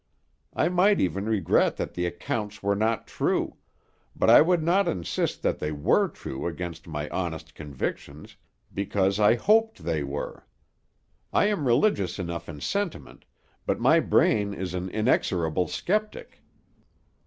I might even regret that the accounts were not true; but I would not insist that they were true against my honest convictions, because I hoped they were. I am religious enough in sentiment, but my brain is an inexorable skeptic.